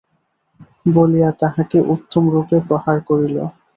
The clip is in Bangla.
বলিয়া তাহাকে উত্তমরূপে প্রহার করিল।